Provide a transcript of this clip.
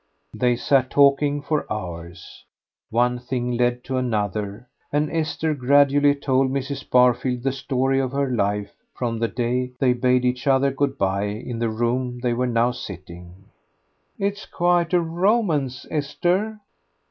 They sat talking for hours. One thing led to another and Esther gradually told Mrs. Barfield the story of her life from the day they bade each other good bye in the room they were now sitting in. "It is quite a romance, Esther."